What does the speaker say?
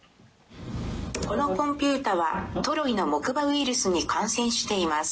このコンピューターはトロイの木馬ウイルスに感染しています。